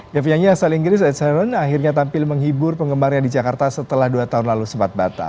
gavinyanya asal inggris ed sheeran akhirnya tampil menghibur pengembar yang di jakarta setelah dua tahun lalu sempat batal